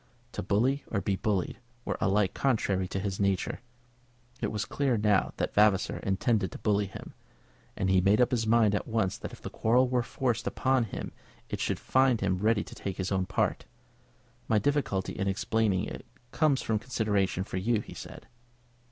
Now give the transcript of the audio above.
To bully or be bullied were alike contrary to his nature. It was clear enough now that Vavasor intended to bully him, and he made up his mind at once that if the quarrel were forced upon him it should find him ready to take his own part. "My difficulty in explaining it comes from consideration for you," he said.